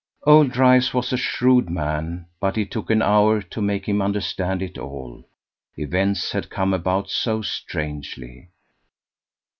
Old Dryce was a shrewd man, but it took an hour to make him understand it all; events had come about so strangely.